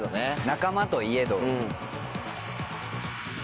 仲間と言えど。